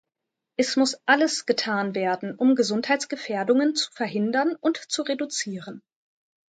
Es muss alles getan werden, um Gesundheitsgefährdungen zu verhindern und zu reduzieren.